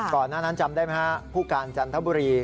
ก่อนหน้านั้นจำได้ไหมฮะผู้การจันทบุรี